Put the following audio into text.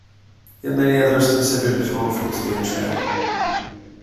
Yet many others considered it harmful to the Internet.